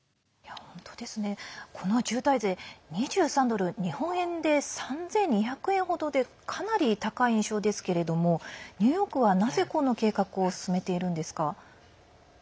この渋滞税、２３ドル日本円で３２００円程でかなり高い印象ですけれどもニューヨークは、なぜこの計画を進めているんですか？